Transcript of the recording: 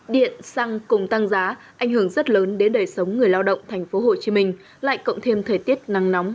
điện xăng cùng tăng giá ảnh hưởng rất lớn đến đời sống người lao động thành phố hồ chí minh lại cộng thêm thời tiết nắng nóng